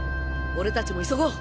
俺たちも急ごう。